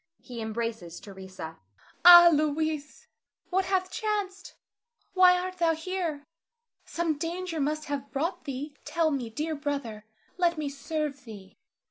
He embraces_ Theresa. Theresa. Ah, Louis, what hath chanced? Why art thou here? Some danger must have brought thee; tell me, dear brother. Let me serve thee.